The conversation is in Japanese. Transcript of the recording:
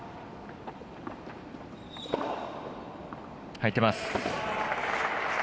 入ってます。